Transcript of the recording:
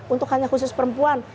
untuk hanya khusus perempuan